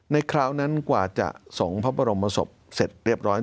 คราวนั้นกว่าจะส่งพระบรมศพเสร็จเรียบร้อย